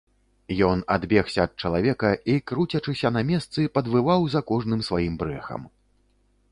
Ён адбегся ад чалавека і, круцячыся на месцы, падвываў за кожным сваім брэхам.